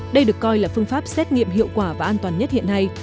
đây được coi là phương pháp xét nghiệm hiệu quả và an toàn nhất hiện nay